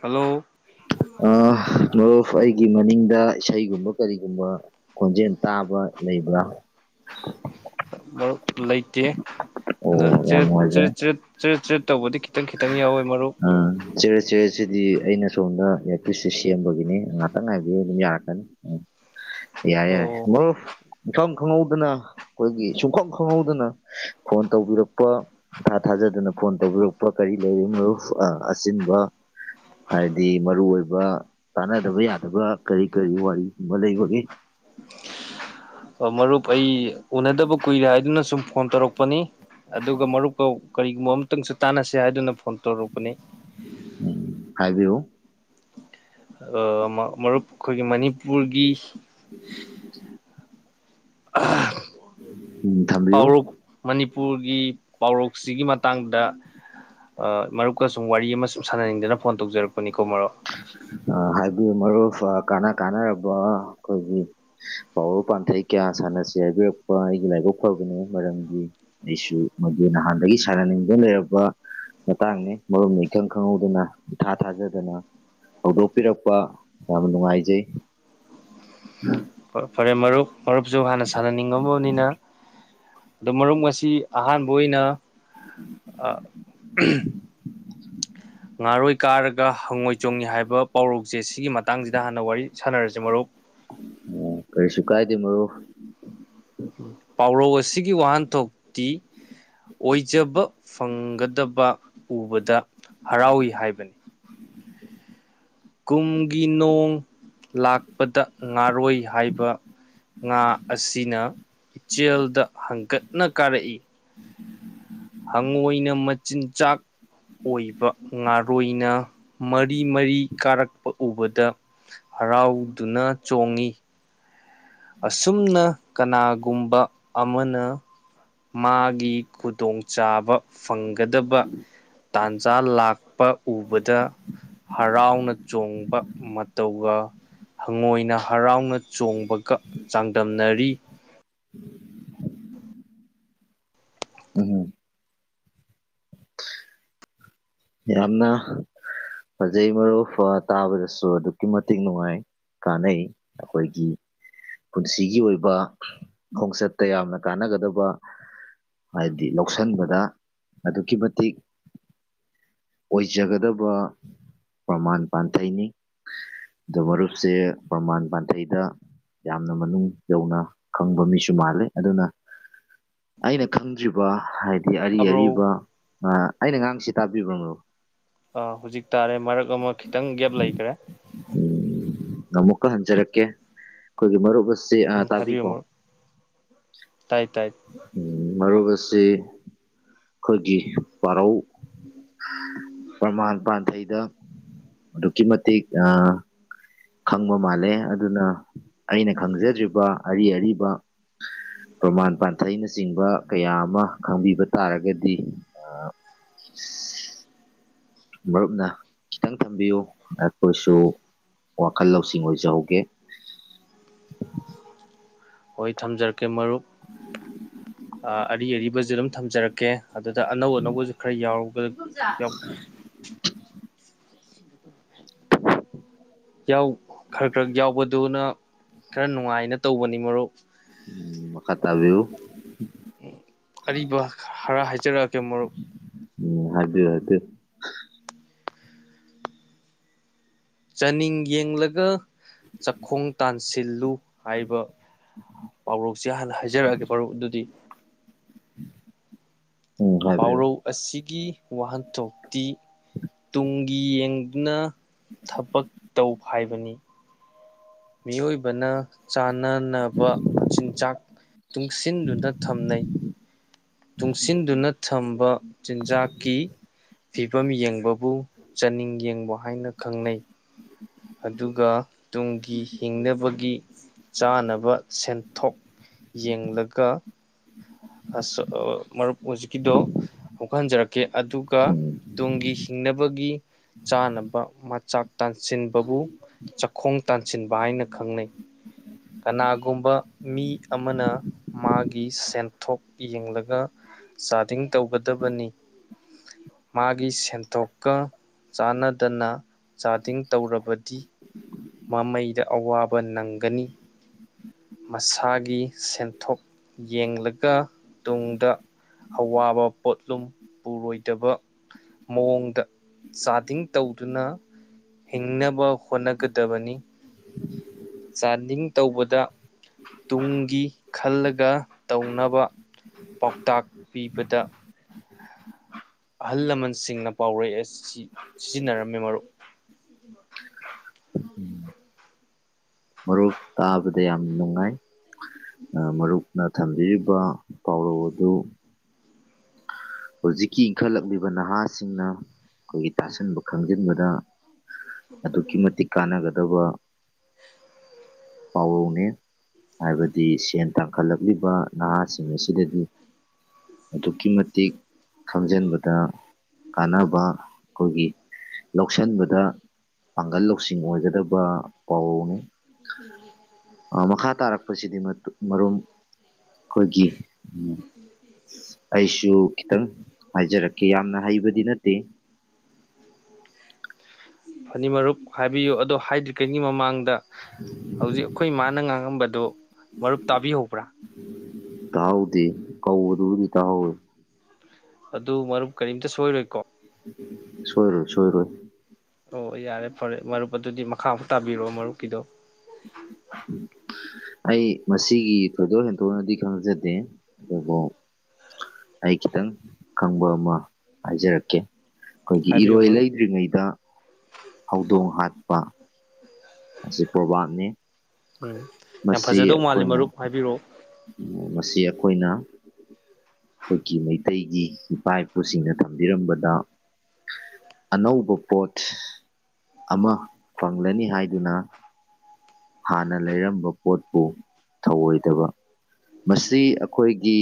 hello ꯑ ꯃꯔꯨꯞ ꯑꯩꯒꯤ ꯃꯅꯤꯡꯗ ꯏꯁꯩꯒꯨꯝꯕ ꯀꯔꯤꯒꯨꯝꯕ ꯈꯣꯟꯖꯦꯟ ꯇꯥꯕ ꯂꯩꯕ꯭ꯔꯥ ꯑꯣ ꯑꯗꯣ ꯌꯥꯝ ꯆꯦꯠ ꯆꯦ ꯅꯨꯡꯉꯥꯏꯖꯔꯦ ꯆ‍꯭ꯔꯦꯠ ꯆ꯭ꯔꯦꯠ ꯆ꯭ꯔꯦꯠ ꯇꯧꯕꯗꯤ ꯈꯤꯇꯪ ꯈꯤꯇꯪ ꯌꯥꯎꯋꯦ ꯃꯔꯨꯞ ꯎꯝ ꯆꯦꯔꯦꯠ ꯆꯦꯔꯦꯠ ꯁꯤꯗꯤ ꯑꯩꯅ ꯁꯣꯝꯗ ꯏꯌꯥꯔ ꯄꯤꯁꯁꯦ ꯁꯦꯝꯕꯒꯤꯅꯤ ꯉꯍꯥꯛꯇꯪ ꯉꯥꯏꯕꯤꯌꯨ ꯑꯗꯨꯝ ꯌꯥꯔꯛꯀꯅꯤ [inaudible] ꯌꯥꯔꯦ ꯌꯥꯔꯦ ꯑꯣ ꯃꯔꯨꯞ ꯏꯝꯈꯪ ꯈꯪꯍꯧꯗꯅ ꯑꯩꯈꯣꯏꯒꯤ ꯁꯨꯡꯈꯪ ꯈꯪꯍꯧꯗꯅ ꯐꯣꯟ ꯇꯧꯕꯤꯔꯛꯄ ꯏꯥꯊꯥ ꯊꯥꯖꯗꯅ ꯐꯣꯟ ꯇꯧꯕꯤꯔꯛꯄ ꯀꯔꯤ ꯂꯩꯔꯦ ꯃꯔꯨꯞ ꯑ ꯑꯆꯤꯟꯕ ꯍꯥꯏꯗꯤ ꯃꯔꯨ ꯑꯣꯏꯕ ꯇꯥꯟꯅꯗꯕ ꯌꯥꯗꯕ ꯀꯔꯤ ꯀꯔꯤ ꯋꯥꯔꯤꯒꯨꯝꯕ ꯂꯩꯕꯒꯦ ꯃꯔꯨꯞ ꯑꯩ ꯎꯅꯗꯕ ꯀꯨꯏꯔꯦ ꯍꯥꯏꯗꯨꯅ ꯁꯨꯝ ꯐꯣꯟ ꯇꯧꯔꯛꯄꯅꯤ ꯑꯗꯨꯒ ꯃꯔꯨꯞꯀ ꯀꯔꯤꯒꯨꯝꯕ ꯑꯃꯇꯪꯁꯨ ꯇꯥꯟꯅꯁꯦ ꯍꯥꯏꯗꯨꯅ ꯐꯣꯟ ꯇꯧꯔꯛꯄꯅꯤ ꯎꯝ ꯍꯥꯏꯕꯤꯌꯨ ꯑ ꯃꯔꯨꯞ ꯑꯩꯈꯣꯏꯒꯤ ꯃꯅꯤꯄꯨꯔꯒꯤ [inaudible] ꯎꯝ ꯊꯝꯕꯤꯌꯨ ꯄꯥꯎꯔꯧ ꯃꯅꯤꯄꯨꯔꯒꯤ ꯄꯥꯎꯔꯧꯁꯤꯒꯤ ꯃꯇꯥꯡꯗ ꯑꯩ ꯃꯔꯨꯞꯀ ꯁꯨꯝ ꯋꯥꯔꯤ ꯑꯃ ꯁꯨꯝ ꯁꯥꯟꯅꯅꯤꯡꯗꯅ ꯐꯣꯟ ꯇꯧꯖꯔꯛꯄꯅꯤꯀꯣ ꯃꯔꯨꯞ ꯑ ꯍꯥꯏꯕꯤꯌꯨ ꯃꯔꯨꯞ ꯑ ꯀꯥꯟꯅ ꯀꯥꯟꯅꯔꯕ ꯑꯩꯈꯣꯏꯒꯤ ꯄꯥꯎꯔ ꯄꯥꯟꯊꯩ ꯀꯌꯥ ꯁꯥꯟꯅꯁꯤ ꯍꯥꯏꯕꯤꯔꯛꯄ ꯑꯩꯒꯤ ꯂꯥꯏꯕꯛ ꯐꯕꯅꯤ ꯃꯔꯝꯗꯤ ꯑꯩꯁꯨ ꯃꯗꯨ ꯅꯍꯥꯟꯗꯒꯤ ꯁꯥꯟꯅꯅꯤꯡꯗꯨꯅ ꯂꯩꯔꯛꯄ ꯃꯇꯥꯡꯅꯤ ꯃꯔꯨꯞꯅ ꯏꯈꯪ ꯈꯪꯍꯧꯗꯅ ꯏꯊꯥ ꯊꯥꯖꯗꯅ ꯍꯧꯗꯣꯛꯄꯤꯔꯛꯄ ꯌꯥꯝꯅ ꯅꯨꯡꯉꯥꯏꯖꯩ ꯎꯝ ꯐꯔꯦ ꯃꯔꯨꯞ ꯃꯔꯨꯞꯁꯨ ꯍꯥꯟꯅ ꯁꯥꯟꯅꯅꯤꯡꯉꯝꯃꯕꯅꯤꯅ ꯑꯗꯣ ꯃꯔꯨꯞ ꯉꯁꯤ ꯑꯍꯥꯟꯕ ꯑꯣꯏꯅ ꯉꯥꯔꯣꯏ ꯀꯥꯔꯒ ꯍꯪꯉꯣꯏ ꯆꯣꯡꯉꯤ ꯍꯥꯏꯕ ꯄꯥꯎꯔꯧꯁꯦ ꯁꯤꯒꯤ ꯃꯇꯥꯡꯁꯤꯗ ꯍꯥꯟꯅ ꯋꯥꯔꯤ ꯁꯥꯟꯅꯔꯁꯦ ꯃꯔꯨꯞ ꯑꯣ ꯀꯔꯤꯁꯨꯨꯀꯥꯏꯗꯦ ꯃꯔꯨꯞ ꯄꯥꯎꯔꯧ ꯑꯁꯤꯒꯤ ꯋꯥꯍꯟꯊꯣꯛꯇꯤ ꯑꯣꯏꯖꯕ ꯐꯪꯒꯗꯕ ꯎꯕꯗ ꯍꯔꯥꯎꯋꯤ ꯍꯥꯏꯕꯅꯤ ꯀꯨꯝꯒꯤ ꯅꯣꯡ ꯂꯥꯛꯄꯗ ꯉꯥꯔꯣꯏ ꯍꯥꯏꯕ ꯉꯥ ꯑꯁꯤꯅ ꯏꯆꯦꯜꯗ ꯍꯪꯀꯠꯅ ꯀꯥꯔꯛꯏ [inaudible] ꯍꯪꯉꯣꯏꯅ ꯃꯆꯤꯟꯖꯥꯛ ꯑꯣꯏꯕ ꯉꯥꯔꯣꯏꯅ ꯃꯔꯤ ꯃꯔꯤ ꯀꯥꯔꯛꯄ ꯎꯕꯗ ꯍꯔꯥꯎꯗꯨꯅ ꯆꯣꯡꯉꯤ ꯑꯁꯨꯝꯅ ꯀꯅꯥꯒꯨꯝꯕ ꯑꯃꯅ ꯃꯥꯒꯤ ꯈꯨꯗꯣꯡꯆꯥꯥꯕ ꯐꯪꯒꯗꯕ ꯇꯥꯟꯖꯥ ꯂꯥꯛꯄ ꯎꯕꯗ ꯍꯔꯥꯎꯅ ꯆꯣꯡꯕ ꯃꯇꯧꯒ ꯍꯪꯉꯣꯏꯅ ꯍꯔꯥꯎꯅ ꯆꯣꯡꯕꯒ ꯆꯥꯡꯗꯝꯅꯔꯤ ꯎꯝ ꯍꯨꯝ ꯌꯥꯝꯅ ꯐꯖꯩ ꯃꯔꯨꯞ ꯑꯥ ꯇꯥꯕꯗꯁꯨ ꯑꯗꯨꯛꯀꯤ ꯃꯇꯤꯛ ꯅꯨꯡꯉꯥꯏ ꯀꯥꯟꯅꯩ ꯑꯩꯈꯣꯏꯒꯤ ꯄꯨꯟꯁꯤꯒꯤ ꯑꯣꯏꯕ ꯈꯣꯡꯆꯠꯇ ꯌꯥꯝꯅ ꯀꯥꯟꯅꯒꯗꯕ ꯍꯥꯏꯗꯤ ꯂꯧꯁꯤꯟꯕꯗ ꯑꯗꯨꯛꯀꯤ ꯃꯇꯤꯛ ꯑꯣꯏꯖꯒꯗꯕ ꯄ꯭ꯔꯃꯥꯟ ꯄꯥꯟꯊꯩꯅꯤ ꯑꯗꯣ ꯃꯔꯨꯞꯁꯦ ꯄ꯭ꯔꯃꯥꯟ ꯄꯥꯟꯊꯩꯗ ꯌꯥꯝꯅ ꯃꯅꯨꯡ ꯌꯧꯅ ꯈꯪꯕ ꯃꯤꯁꯨ ꯃꯥꯜꯂꯤ ꯑꯗꯨꯅ ꯑꯩꯅ ꯈꯪꯗ꯭ꯔꯤꯕ ꯍꯥꯏꯗꯤ ꯑꯔꯤ ꯇꯥꯕ꯭ꯔꯣ ꯑꯔꯤꯕ ꯑꯥ ꯑꯩꯅ ꯉꯥꯡꯁꯤ ꯇꯥꯕꯤꯕ꯭ꯔ ꯃꯔꯨꯞ ꯑꯥ ꯍꯧꯖꯤꯛ ꯇꯥꯔꯦ ꯃꯔꯛ ꯑꯃ ꯈꯤꯇꯪ ꯒꯦꯞ ꯂꯩꯒꯔꯦ ꯎꯝ ꯑꯃꯨꯛꯀ ꯍꯟꯖꯔꯛꯀꯦ ꯑꯩꯈꯣꯏꯒꯤ ꯃꯔꯨꯞ ꯑꯁꯤ ꯎꯝ ꯑꯥ ꯍꯥꯏꯕꯤꯌꯨ ꯇꯥꯕꯤꯀꯣ ꯃꯔꯨꯞ ꯇꯥꯏ ꯇꯥꯏ ꯃꯔꯨꯞ ꯑꯁꯤ ꯑꯩꯈꯣꯏꯒꯤ ꯄꯔꯧ ꯄ꯭ꯔꯃꯥꯟ ꯄꯥꯟꯊꯩꯗ ꯑꯗꯨꯛꯀꯤ ꯃꯇꯤꯛ ꯑꯥ ꯈꯪꯕ ꯃꯥꯜꯂꯦ ꯑꯗꯨꯅ ꯑꯩꯅ ꯈꯪꯖꯗ꯭ꯔꯤꯕ ꯑꯔꯤ ꯑꯔꯤꯕ ꯄ꯭ꯔꯃꯥꯟ ꯄꯥꯟꯊꯩꯅꯆꯤꯡꯕ ꯀꯌꯥ ꯑꯃ ꯈꯪꯕꯤꯕ ꯇꯥꯔꯒꯗꯤ ꯃꯔꯨꯞꯅ ꯈꯤꯇꯪ ꯊꯝꯕꯤꯌꯨ ꯑꯩꯈꯣꯏꯁꯨ ꯋꯥꯈꯜ ꯂꯧꯁꯤꯡ ꯑꯣꯏꯖꯍꯧꯒꯦ ꯍꯣꯏ ꯊꯝꯖꯔꯛꯀꯦ ꯃꯔꯨꯞ ꯑꯥ ꯑꯔꯤ ꯑꯔꯤꯕꯁꯤ ꯑꯗꯨꯝ ꯊꯝꯖꯔꯛ ꯀꯦ ꯑꯗꯨꯗ ꯑꯅꯧ ꯑꯅꯧꯕꯁꯨ ꯈꯔ ꯌꯥꯎ [unintelligible] ꯌꯥꯎ ꯈꯔ ꯈꯔ ꯌꯥꯎꯕꯗꯨꯅ ꯈꯔ ꯅꯨꯡꯉꯥꯏꯅ ꯇꯧꯕꯅꯤ ꯃꯔꯨꯞ ꯎꯝ ꯃꯈꯥ ꯇꯥꯕꯤꯌꯨ ꯑꯔꯤꯕ ꯍꯥꯔ ꯍꯥꯏꯖꯔꯛꯑꯒꯦ ꯃꯔꯨꯞ ꯎꯝ ꯍꯥꯏꯕꯤꯌ ꯍꯥꯏꯗꯤ ꯆꯥꯅꯤꯡ ꯌꯦꯡꯂꯒ ꯆꯥꯛꯈꯣꯡ ꯇꯥꯟꯁꯤꯜꯂꯨ ꯍꯥꯏꯕ ꯄꯥꯎꯔꯣꯛꯁꯦ ꯍꯥꯟꯅ ꯍꯥꯏꯔꯛꯑꯒꯦ ꯃꯔꯨꯞ ꯑꯥꯗꯨꯗꯤ ꯎꯝ ꯍꯥꯏꯕꯤꯌꯨ ꯄꯥꯎꯔꯧ ꯑꯁꯤꯒꯤ ꯋꯥꯍꯟꯊꯣꯛꯇꯤ ꯇꯨꯡꯒꯤ ꯌꯦꯡꯗꯨꯅ ꯊꯕꯛ ꯇꯧ ꯍꯥꯏꯕꯅꯤ ꯃꯤ ꯑꯣꯏꯕꯅ ꯆꯥꯟꯅꯅꯕ ꯆꯤꯟꯖꯥꯛ ꯇꯨꯡꯁꯤꯟꯗꯨꯅ ꯊꯝꯅꯩ ꯇꯨꯡꯁꯤꯟꯗꯨꯅ ꯊꯝꯕ ꯆꯤꯟꯖꯥꯛꯀꯤ ꯐꯤꯕꯝ ꯌꯦꯡꯕꯕꯨ ꯆꯥꯅꯤꯡ ꯌꯦꯡꯕ ꯍꯥꯏꯅ ꯈꯪꯅꯩ ꯎꯝ ꯑꯗꯨꯒ ꯇꯨꯡꯒꯤ ꯍꯤꯡꯅꯕꯒꯤ ꯆꯥꯅꯕ ꯁꯦꯟꯊꯣꯛ ꯌꯦꯡꯂꯒ ꯑꯁꯣ ꯃꯔꯨꯞ ꯍꯣꯖꯤꯛ ꯀꯤꯗꯣ ꯑꯃꯨꯛꯀꯥ ꯍꯟꯖꯔꯛꯀꯦ ꯑꯗꯨꯒ ꯇꯨꯡꯒꯤ ꯍꯤꯡꯅꯕꯒꯤ ꯆꯥꯅꯕ ꯃꯆꯥꯛ ꯇꯥꯟꯁꯤꯟꯕꯕꯨ ꯆꯥꯈꯣꯡ ꯇꯥꯟꯁꯤꯟꯕ ꯍꯥꯏꯅ ꯈꯪꯅꯩ ꯀꯅꯥꯒꯨꯝꯕ ꯃꯤ ꯑꯃꯅ ꯃꯥꯒꯤ ꯁꯦꯟ ꯊꯣꯛ ꯌꯦꯡꯂꯒ ꯆꯥꯔꯗꯤꯡ ꯇꯧꯒꯗꯕꯅꯤ ꯃꯥꯒꯤ ꯁꯦꯟꯊꯣꯛꯀ ꯆꯥꯟꯅꯗꯅ ꯆꯥꯗꯤꯡ ꯇꯧꯔꯕꯗꯤ ꯃꯃꯩꯗ ꯑꯋꯥꯕ ꯅꯪꯒꯅꯤ ꯃꯁꯥꯒꯤ ꯁꯦꯟꯊꯣꯛ ꯌꯦꯡꯂꯒ ꯇꯨꯡꯗ ꯑꯋꯥꯕ ꯄꯣꯠꯂꯨꯝ ꯄꯨꯔꯣꯏꯗꯕ ꯃꯑꯣꯡꯗ ꯆꯥꯗꯤꯡ ꯇꯧꯗꯨꯅ ꯍꯤꯡꯅꯕ ꯍꯣꯠꯅꯒ ꯗꯕꯅꯤ ꯆꯥꯟꯗꯤꯡ ꯇꯧꯕꯗ ꯇꯨꯡꯒꯤ ꯈꯜꯂꯒ ꯇꯧꯅꯕ ꯄꯥꯎꯇꯥꯛ ꯄꯤꯕꯗ ꯑꯍꯜ ꯂꯃꯟꯁꯤꯡꯅ ꯄꯥꯎꯔꯩ ꯑꯁꯤ ꯁꯤꯖꯤꯟꯅꯔꯝꯃꯤ ꯃꯔꯨꯞ ꯃꯔꯨꯞ ꯇꯥꯕꯗ ꯌꯥꯝ ꯅꯨꯡꯉꯥꯏ ꯑ ꯃꯔꯨꯞꯅ ꯊꯝꯕꯤꯔꯤꯕ ꯄꯥꯎꯔꯧ ꯑꯗꯨ ꯍꯧꯖꯤꯛꯀꯤ ꯏꯟꯈꯠꯂꯛꯂꯤꯕ ꯅꯍꯥꯁꯤꯡꯅ ꯑꯩꯈꯣꯏꯒꯤ ꯇꯥꯁꯟꯕ ꯈꯪꯖꯤꯟꯕꯗ ꯑꯗꯨꯛꯀꯤ ꯃꯇꯤꯛ ꯀꯥꯟꯅꯒꯗꯕ ꯄꯥꯎꯔꯧꯅꯦ ꯍꯥꯏꯕꯗꯤ ꯁꯦꯟ ꯇꯥꯡꯈꯠꯂꯛꯂꯤꯕ ꯅꯍꯥꯁꯤꯡ ꯑꯁꯤꯗꯗꯤ ꯑꯗꯨꯛꯀꯤ ꯃꯇꯤꯛ ꯈꯪꯖꯟꯕꯗ ꯀꯥꯟꯅꯕ ꯑꯩꯈꯣꯏꯒꯤ ꯂꯧꯁꯤꯟꯕꯗ ꯄꯥꯡꯒꯜ ꯂꯧ ꯂꯧꯁꯤꯡ ꯑꯣꯏꯒꯗꯕ ꯄꯥꯎꯔꯧꯅꯤ [inaudible] ꯑꯥ ꯃꯈꯥ ꯇꯥꯔꯛꯄꯁꯤꯗꯤ ꯃꯔꯨꯞ ꯑꯩꯈꯣꯏꯒꯤ ꯑꯩꯁꯨ ꯈꯤꯇꯪ ꯍꯥꯏꯖꯔꯛꯀꯦ ꯌꯥꯝꯅ ꯍꯩꯕꯗꯤ ꯅꯠꯇꯦ ꯐꯅꯤ ꯃꯔꯨꯞ ꯍꯥꯏꯕꯤꯌꯨ ꯑꯗꯣ ꯍꯥꯏꯗ꯭ꯔꯤꯉꯩꯒꯤ ꯃꯃꯥꯡꯗ ꯍꯧꯖꯤꯛ ꯑꯩꯈꯣꯏ ꯏꯃꯥꯅ ꯉꯥꯡꯉꯝꯕꯗꯨ ꯃꯔꯨꯞ ꯇꯥꯕꯤꯍꯧꯕ꯭ꯔꯥ ꯇꯥꯥꯍꯧꯗꯤꯌꯦ ꯀꯧꯕꯗꯨꯕꯨꯗꯤ ꯇꯥꯍꯧꯋꯦ ꯑꯗꯨ ꯃꯔꯨꯞ ꯀꯔꯤꯝꯇ ꯁꯣꯏꯔꯣꯏꯀꯣ ꯁꯣꯏꯔꯣꯏ ꯁꯣꯏꯔꯣꯏ ꯑꯣ ꯌꯥꯔꯦ ꯐꯔꯦ ꯃꯔꯨꯞ ꯑꯗꯨꯗꯤ ꯃꯈꯥ ꯃꯨꯛ ꯇꯥꯕꯤꯔꯛꯑꯣ ꯃꯔꯨꯞꯀꯤꯗꯣ ꯑꯩ ꯃꯁꯤꯒꯤ ꯊꯣꯏꯗꯣꯛ ꯍꯦꯟꯗꯣꯛꯅꯗꯤ ꯈꯪꯖꯗꯦ ꯑꯗꯨꯕꯨ ꯑꯩ ꯈꯤꯇꯪ ꯈꯪꯕ ꯑꯃ ꯍꯥꯏꯖꯔꯛꯀꯦ ꯑꯩꯈꯣꯏꯒꯤ ꯍꯥꯏꯕꯤꯌꯨ ꯏꯔꯣꯏ ꯃꯔꯨꯞ ꯂꯩꯗ꯭ꯔꯤꯉꯩꯗ ꯍꯧꯗꯣꯡ ꯍꯥꯠꯄ ꯑꯁꯤ ꯄ꯭ꯔꯣꯚꯥ꯭ꯔꯕꯅꯤ ꯎꯝ ꯌꯥꯝ ꯐꯖꯗꯧ ꯃꯥꯜꯂꯤ ꯃꯔꯨꯞ ꯍꯥꯏꯕꯤꯔꯛꯑꯣ ꯃꯁꯤ ꯑꯩꯈꯣꯏꯅ ꯑꯩꯈꯣꯏꯒꯤ ꯃꯩꯇꯩꯒꯤ ꯏꯄꯥ ꯏꯄꯨꯁꯤꯡꯅ ꯊꯝꯕꯤꯔꯝꯕꯗ ꯑꯅꯧꯕ ꯄꯣꯠ ꯑꯃ ꯐꯪꯂꯅꯤ ꯍꯥꯏꯗꯨꯅ ꯍꯥꯟꯅ ꯂꯩꯔꯝꯕ ꯄꯣꯠꯄꯨ ꯊꯧꯑꯣꯏꯗꯕ ꯃꯁꯤ ꯑꯩꯈꯣꯏꯒꯤ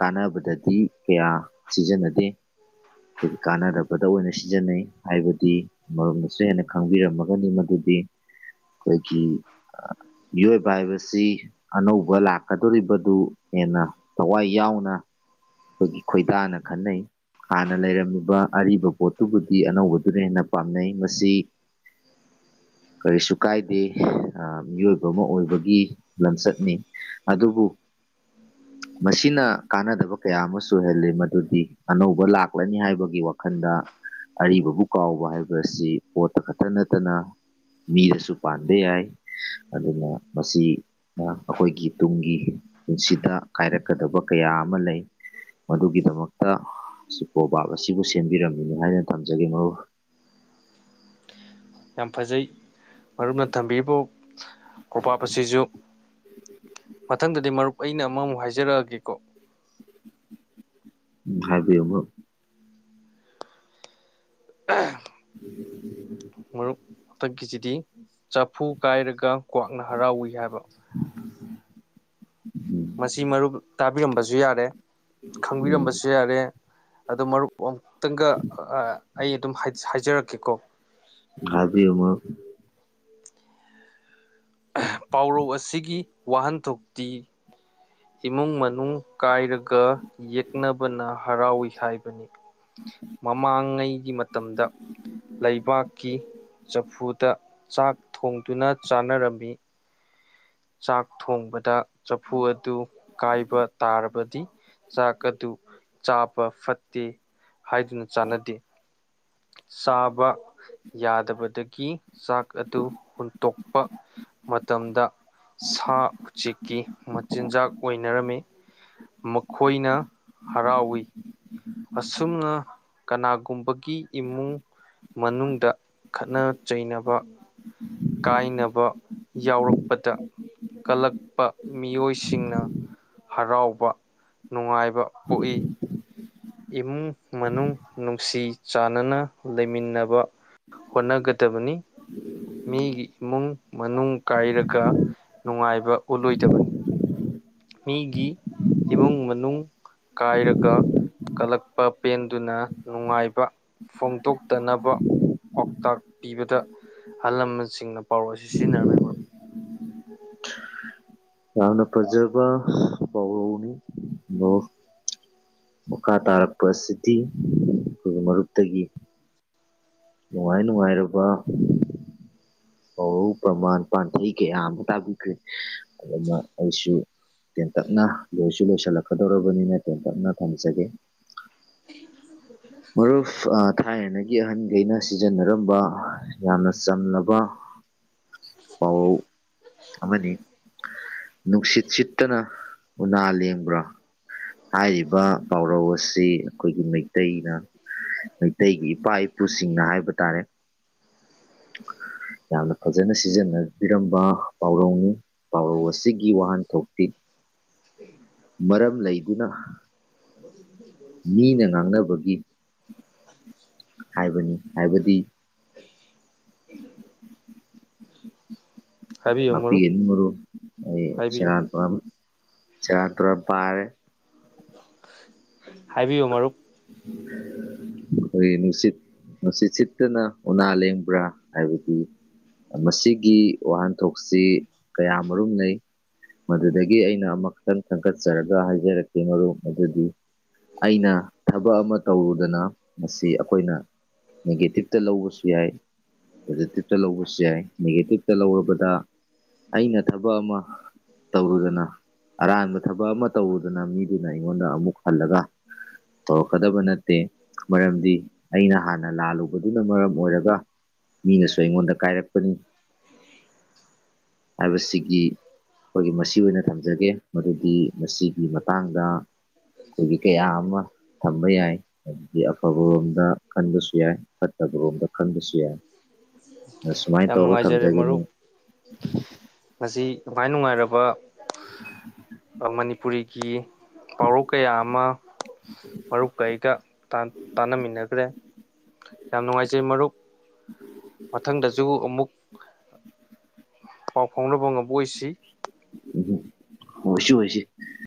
ꯀꯥꯟꯅꯕꯗꯗꯤ ꯀꯌꯥ ꯁꯤꯖꯤꯟꯅꯗꯦ ꯑꯩꯈꯣꯏꯒꯤ ꯀꯥꯟꯅꯗꯕꯗ ꯑꯣꯏꯅ ꯁꯤꯖꯤꯟꯅꯩ ꯍꯥꯏꯕꯗꯤ ꯃꯔꯞꯅꯁꯨ ꯍꯦꯟꯅ ꯈꯪꯕꯤꯔꯝꯃꯒꯅꯤ ꯃꯗꯨꯗꯤ ꯃꯤꯑꯣꯏꯕ ꯍꯥꯏꯕꯁꯤ ꯑꯅꯧꯕ ꯂꯥꯛꯀꯗꯣꯔꯤꯕꯗꯨ ꯍꯦꯟꯅ ꯊꯋꯥꯏ ꯌꯥꯎꯅ ꯑꯩꯈꯣꯏꯒꯤ ꯈꯣꯏꯗꯥꯅ ꯈꯟꯅꯩ ꯍꯥꯟꯅ ꯂꯩꯔꯝꯃꯤꯕ ꯑꯔꯤꯕ ꯄꯣꯠꯇꯨꯕꯨꯗꯤ ꯑꯅꯧꯕꯗꯨꯅ ꯍꯦꯟꯅ ꯄꯥꯝꯅꯩ ꯃꯁꯤ ꯀꯔꯤꯁꯨꯨ ꯀꯥꯏꯗꯦ ꯑꯥ ꯃꯤꯑꯣꯏꯕ ꯑꯃ ꯑꯣꯏꯕꯒꯤ ꯂꯝꯆꯠꯅꯤ ꯑꯗꯨꯕꯨ ꯎꯝ ꯃꯁꯤꯅ ꯀꯥꯟꯅꯗꯕ ꯀꯌꯥ ꯑꯃꯁꯨ ꯑꯣꯏꯍꯜꯂꯤ ꯃꯗꯨꯗꯤ ꯑꯅꯧꯕ ꯂꯥꯛꯂꯅꯤ ꯍꯥꯏꯕꯒꯤ ꯋꯥꯈꯜꯗ ꯑꯔꯤꯕꯕꯨ ꯀꯥꯎꯕ ꯍꯥꯏꯕ ꯑꯁꯤ ꯄꯣꯠꯇ ꯈꯛꯇ ꯅꯠꯇꯅ ꯃꯤꯗꯁꯨ ꯄꯥꯟ ꯗꯦ ꯌꯥꯏ ꯑꯗꯨꯅ ꯃꯁꯤ ꯅ ꯑꯈꯣꯏꯒꯤ ꯇꯨꯡꯒꯤ ꯄꯨꯟꯁꯤꯗ ꯀꯥꯏꯔꯛꯀꯗꯕ ꯀꯌꯥ ꯑꯃ ꯂꯩ ꯃꯗꯨꯒꯤꯗꯃꯛꯇ ꯁꯤ ꯀꯣꯕꯥꯞ ꯑꯁꯤꯕꯨ ꯁꯦꯝꯕꯤꯔꯝꯃꯤꯅꯤ ꯍꯥꯏꯅ ꯊꯝꯖꯒꯦ ꯃꯔꯨꯞ ꯌꯥꯝ ꯐꯖꯩ ꯃꯔꯨꯞꯅ ꯊꯝꯕꯤꯔꯤꯕ ꯀꯣꯕꯥꯞ ꯑꯁꯤꯁꯨ ꯃꯊꯪꯗꯗꯤ ꯃꯔꯨꯞ ꯑꯩꯅ ꯑꯃꯃꯨꯛ ꯍꯥꯏꯖꯔꯛꯑꯒꯦꯀꯣ ꯎꯝ ꯍꯥꯏꯕꯤꯌꯨꯕꯣ ꯑꯥ [unintelligible] ꯍꯟꯊꯛꯀꯤꯁꯤꯗꯤ ꯆꯐꯨ ꯀꯥꯏꯔꯒ ꯀ꯭ꯋꯥꯛꯅ ꯍꯔꯥꯎꯏ ꯍꯥꯏꯕ ꯃꯁꯤ ꯃꯔꯨꯞ ꯇꯥꯕꯤꯔꯝꯕꯁꯨ ꯌꯥꯔꯦ ꯎꯝ ꯈꯪꯕꯤꯔꯝꯕꯁꯨ ꯌꯥꯔꯦ ꯑꯗꯣ ꯃꯔꯨꯞ ꯑꯃꯨꯛꯇꯪꯒ ꯑꯩ ꯑꯗꯨꯝ ꯍꯥꯏꯖꯔꯛꯀꯦꯀꯣ ꯎꯝ ꯍꯥꯏꯕꯤꯌꯨ ꯃꯔꯨꯞ ꯄꯥꯎꯔꯧ ꯑꯁꯤꯒꯤ ꯋꯥꯍꯟꯊꯣꯛꯇꯤ ꯏꯃꯨꯡ ꯃꯅꯨꯡ ꯀꯥꯏꯔꯒ ꯌꯦꯛꯅꯕꯅ ꯍꯔꯥꯎꯏ ꯍꯥꯏꯕꯅꯤ ꯃꯃꯥꯡꯉꯩꯒꯤ ꯃꯇꯝꯗ ꯂꯩꯕꯥꯛꯀꯤ ꯆꯐꯨꯗ ꯆꯥꯛ ꯊꯣꯡꯗꯨꯅ ꯆꯥꯟꯅꯔꯝꯃꯤ ꯆꯥꯛ ꯊꯣꯡꯕꯗ ꯆꯐꯨ ꯑꯗꯨ ꯀꯥꯏꯕ ꯇꯥꯔꯕꯗꯤ ꯆꯥꯛ ꯑꯗꯨ ꯆꯥꯕ ꯐꯠꯇꯦ ꯍꯥꯏꯗꯨꯅ ꯆꯥꯟꯅꯗꯦ ꯆꯥꯕ ꯌꯥꯗꯕꯗꯒꯤ ꯆꯥꯛ ꯑꯗꯨ ꯍꯨꯟꯇꯣꯛꯄ ꯃꯇꯝꯗ ꯁꯥ ꯎꯆꯦꯛꯀꯤ ꯃꯆꯤꯟꯖꯥꯛ ꯑꯣꯏꯅꯔꯝꯃꯤ ꯃꯈꯣꯏꯅ ꯍꯔꯥꯎꯋꯤ ꯑꯁꯨꯝꯅ ꯀꯅꯥꯒꯨꯝꯕꯒꯤ ꯏꯃꯨꯡ ꯃꯅꯨꯡꯗ ꯈꯠꯅ ꯆꯩꯅꯕ ꯀꯥꯏꯅꯕ ꯌꯥꯎꯔꯛꯄꯗ ꯀꯜꯂꯛꯄ ꯃꯤꯑꯣꯏꯁꯤꯡꯅ ꯍꯔꯥꯎꯕ ꯅꯨꯡꯉꯥꯏꯕ ꯄꯣꯛꯏ ꯏꯃꯨꯡ ꯃꯅꯨꯡ ꯅꯨꯡꯁꯤ ꯆꯥꯟꯅꯅ ꯂꯩꯃꯤꯟꯅꯕ ꯍꯣꯠꯅꯒꯗꯕꯅꯤ ꯃꯤꯒꯤ ꯏꯃꯨꯡ ꯃꯅꯨꯡ ꯀꯥꯏꯔꯒ ꯅꯨꯡꯉꯥꯏꯕ ꯎꯠꯂꯣꯏꯗꯕꯅꯤ ꯃꯤꯒꯤ ꯏꯃꯨꯡ ꯃꯅꯨꯡ ꯀꯥꯏꯔꯒ ꯀꯂꯛꯄ ꯄꯦꯟꯗꯨꯅ ꯅꯨꯡꯉꯥꯏꯕ ꯐꯣꯡꯗꯣꯛꯇꯅꯕ ꯄꯥꯎꯇꯥꯛ ꯄꯤꯕꯗ ꯑꯍꯜ ꯂꯃꯟꯁꯤꯡꯅ ꯄꯥꯎꯔ ꯑꯁꯤ ꯁꯤꯖꯤꯟꯅꯔꯝꯃꯤ ꯃꯔꯨꯞ ꯌꯥꯝꯅ ꯐꯖꯕ ꯄꯥꯎꯅꯤ ꯅꯣ ꯃꯈꯥ ꯇꯥꯔꯛꯄ ꯑꯁꯤꯗꯤ ꯑꯩꯈꯣꯏꯒꯤ ꯃꯔꯨꯞꯇꯒꯤ ꯅꯨꯡꯉꯥꯏ ꯅꯨꯡꯉꯥꯏꯔꯕ ꯄꯥꯎꯔꯧ ꯄ꯭ꯔꯃꯥꯟ ꯄꯥꯟꯊꯩ ꯀꯌꯥ ꯑꯃ ꯇꯥꯕꯤꯈ꯭ꯔꯦ ꯑꯗꯨꯅ ꯑꯩꯁꯨ ꯇꯦꯟꯇꯛꯅ ꯂꯣꯏꯁꯨ ꯂꯣꯏꯁꯤꯜꯂꯛꯀꯗꯧꯔꯕꯅꯤꯅ ꯇꯦꯟꯇꯛꯅ ꯊꯝꯖꯒꯦ ꯃꯔꯨꯞ ꯊꯥꯏꯅꯒꯤ ꯑꯍꯟꯈꯩꯅ ꯁꯤꯖꯤꯟꯅꯔꯝꯕ ꯌꯥꯝꯅ ꯆꯝꯂꯕ [inaudible] ꯄꯥꯎꯔꯧ ꯑꯃꯅꯤ ꯅꯨꯡꯁꯤꯠ ꯁꯤꯠꯇꯅ ꯎꯅꯥ ꯂꯦꯡꯕ꯭ꯔꯥ ꯍꯥꯏꯔꯤꯕ ꯄꯥꯎꯔꯧ ꯑꯁꯤ ꯑꯩꯈꯣꯏꯒꯤ ꯃꯩꯇꯩꯅ ꯃꯩꯇꯩꯒꯤ ꯏꯄꯥ ꯏꯄꯨꯁꯤꯡꯅ ꯍꯥꯏꯕ ꯇꯥꯔꯦ [inaudible] ꯌꯥꯝꯅ ꯐꯖꯅ ꯁꯤꯖꯤꯟꯅꯕꯤꯔꯝꯕ ꯄꯥꯎꯔꯧꯅꯤ ꯄꯥꯎꯔꯧ ꯑꯁꯤꯒꯤ ꯋꯥꯍꯟꯊꯣꯛꯇꯤ ꯃꯔꯝ ꯂꯩꯗꯨꯅ ꯃꯤꯅ ꯉꯥꯡꯅꯕꯒꯤ ꯍꯥꯏꯕꯅꯤ ꯍꯥꯏꯕꯗꯤ ꯍꯥꯏꯕꯤꯌꯨ ꯃꯔꯨꯞ ꯉꯥꯛꯄꯤꯒꯅꯤ ꯃꯔꯨꯞ ꯑꯩ ꯍꯥꯏꯕꯤꯌꯨ ꯁꯦꯔꯥꯟꯇꯨꯔ ꯁꯦꯔꯥꯟ ꯇꯨꯔ ꯄꯥꯔꯦ ꯍꯥꯏꯕꯤꯌꯨ ꯃꯔꯨꯞ ꯑꯩꯈꯣꯏꯒꯤ ꯅꯨꯡꯁꯤꯠ ꯅꯨꯡꯁꯤꯠ ꯁꯤꯠꯇꯅ ꯎꯅꯥ ꯂꯦꯡꯕ꯭ꯔꯥ ꯍꯥꯏꯕꯗꯤ ꯃꯁꯤꯒꯤ ꯋꯥꯍꯟꯊꯣꯛꯁꯤ ꯀꯌꯥꯃꯨꯝ ꯂꯩ ꯃꯗꯨꯗꯒꯤ ꯑꯩꯅ ꯑꯃꯛꯇꯪ ꯈꯟꯒꯠꯆꯔꯒ ꯍꯥꯏꯖꯔꯛꯀꯦ ꯃꯔꯨꯞ ꯃꯗꯨꯗꯤ ꯑꯩꯅ ꯊꯕꯛ ꯑꯃ ꯇꯧꯔꯨꯗꯅ ꯃꯁꯤ ꯑꯩꯈꯣꯏꯅ ꯅꯦꯒꯦꯇꯤꯞꯇ ꯂꯧꯕꯁꯨ ꯌꯥꯏ ꯄꯣꯖꯤꯇꯤꯚꯇ ꯂꯧꯕꯁꯨ ꯌꯥꯏ ꯅꯦꯒꯦꯇꯤꯞꯇ ꯂꯧꯔꯕꯗ ꯑꯩꯅ ꯊꯕꯛ ꯑꯃ ꯇꯧꯔꯨꯗꯅ ꯑꯔꯥꯟꯕ ꯊꯕꯛ ꯑꯃ ꯇꯧꯔꯨꯗꯅ ꯃꯤꯗꯨꯅ ꯑꯩꯉꯣꯟꯗ ꯑꯃꯨꯛ ꯍꯜꯂꯒ ꯇꯧꯔꯛꯀꯗꯕ ꯅꯠꯇꯦ ꯃꯔꯝꯗꯤ ꯑꯩꯅ ꯍꯥꯟꯅ ꯂꯥꯜꯂꯨꯕꯗꯨꯅ ꯃꯔꯝ ꯑꯣꯏꯔꯒ ꯃꯤꯅꯁꯨ ꯑꯩꯉꯣꯟꯗ ꯀꯥꯏꯔꯛꯄꯅꯤ ꯍꯥꯏꯕꯁꯤꯒꯤ ꯑꯩꯈꯣꯏꯒꯤ ꯃꯁꯤ ꯑꯣꯏꯅ ꯊꯝꯖꯒꯦ ꯃꯗꯨꯗꯤ ꯃꯁꯤꯒꯤ ꯃꯇꯥꯡꯗ ꯑꯩꯈꯣꯏꯒꯤ ꯀꯌꯥꯑꯃ ꯊꯝꯕ ꯌꯥꯏ ꯍꯥꯏꯗꯤ ꯑꯐꯕꯔꯣꯝꯗ ꯈꯟꯕꯁꯨ ꯌꯥꯏ ꯐꯠꯇꯕꯔꯣꯝꯗ ꯈꯟꯕꯁꯨ ꯌꯥꯏ ꯑ ꯁꯨꯃꯥꯏꯅ ꯌꯥꯝ ꯇꯧꯔꯒ ꯅꯨꯡꯉꯥꯏꯖꯔꯦ ꯊꯝꯖꯒꯦꯅꯦ ꯃꯁꯤ ꯅꯨꯡꯉꯥꯏ ꯅꯨꯡꯉꯥꯏꯔꯕ ꯑ ꯃꯅꯤꯄꯨꯔꯤꯒꯤ ꯄꯥꯎꯔꯣꯛ ꯀꯌꯥ ꯑꯃ ꯃꯔꯨꯞ ꯀꯩꯒ ꯇꯥꯟꯅꯃꯤꯟꯅꯈ꯭ꯔꯦ ꯌꯥꯝ ꯅꯨꯡꯉꯥꯏꯖꯩ ꯃꯔꯨꯞ ꯃꯊꯪꯗꯁꯨ ꯑꯃꯨꯛ ꯄꯥꯎ ꯐꯥꯎꯅꯕ ꯉꯝꯕ ꯑꯣꯏꯁꯤ ꯎ ꯑꯣꯏꯁꯤ ꯑꯣꯏꯁꯤ